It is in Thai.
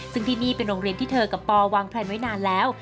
ซึ่งที่นี่เป็นโรงเรียนที่เธอกับปอวางแพลนไว้นานแล้ว